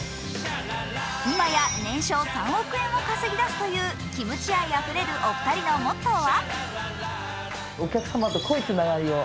今や年商３億円を稼ぎ出すという、キムチ愛あふれるお二人のモットーは？